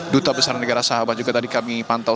duta besar negara sahabat juga tadi kami pantau